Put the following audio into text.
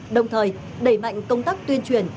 đồng thời đẩy mạnh công tác tuyên truyền